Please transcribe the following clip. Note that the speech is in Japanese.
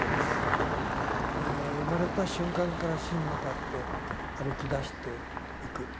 生まれた瞬間から死に向かって歩きだしていく。